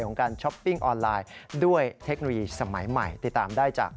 ของการช้อปปิ้งออนไลน์ด้วยเทคโนโลยีสมัยใหม่